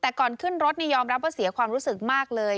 แต่ก่อนขึ้นรถยอมรับว่าเสียความรู้สึกมากเลย